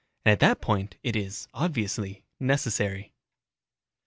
And at the point it is, obviously, Necessary.